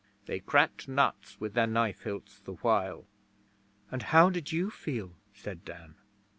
They cracked nuts with their knife hilts the while.' 'And how did you feel?' said Dan.